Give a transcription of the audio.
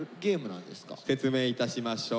説明いたしましょう。